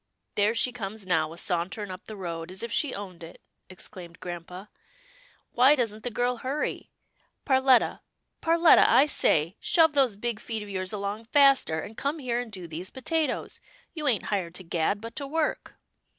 " There she comes now, a sauntering up the road 268 'TILDA JANE'S ORPHANS as if she owned it," exclaimed grampa, " why doesn't the girl hurry ? Perletta — Perletta, I say — shove those big feet of yours along faster, and come here and do these potatoes. You ain't hired to gad, but to work."